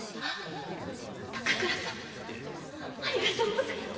高倉様ありがとうございます。